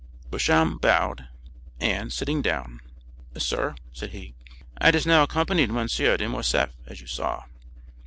Beauchamp bowed, and, sitting down, "Sir," said he, "I just now accompanied M. de Morcerf, as you saw."